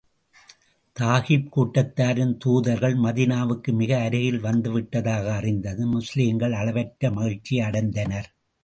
தகீப் கூட்டத்தாரின் தூதர்கள் மதீனாவுக்கு மிக அருகில் வந்து விட்டதாக அறிந்ததும், முஸ்லிம்கள் அளவற்ற மகிழ்ச்சி அடைந்தனர்.